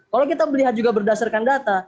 kalau kita melihat juga berdasarkan data